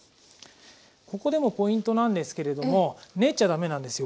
ここでもポイントなんですけれども練っちゃ駄目なんですよ。